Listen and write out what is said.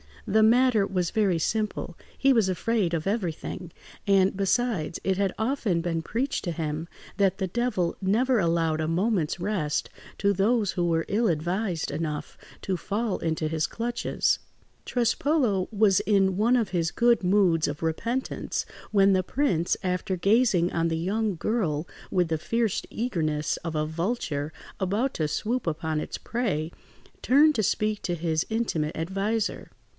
The matter was very simple: he was afraid of everything; and, besides, it had often been preached to him that the Devil never allowed a moment's rest to those who were ill advised enough to fall into his clutches. Trespolo was in one of his good moods of repentance, when the prince, after gazing on the young girl with the fierce eagerness of a vulture about to swoop upon its prey, turned to speak to his intimate adviser.